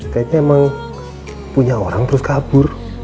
kayaknya emang punya orang terus kabur